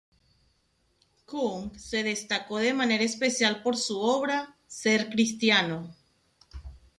Küng se destacó de manera especial por su obra "Ser cristiano".